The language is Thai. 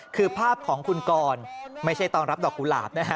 คือภาพของคุณกรไม่ใช่ตอนรับดอกกุหลาบนะฮะ